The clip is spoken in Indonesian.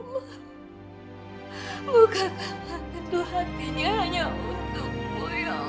bukankah satu hatinya hanya untukmu ya allah